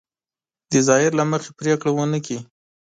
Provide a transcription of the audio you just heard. د ظاهر له مخې پرېکړه ونه کړي.